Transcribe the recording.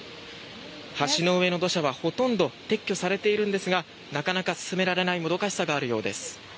橋の上の土砂はほとんど撤去されているんですがなかなか進められないもどかしさがあるようです。